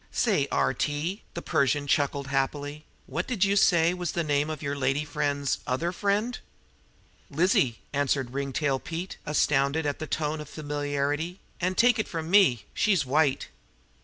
"Say, R.T.," the Persian chuckled happily, "what did you say was the name of your lady friend's other lady friend?" "Lizzie," answered Ringtail, astounded at the tone of familiarity; "an' take it from me she's white!"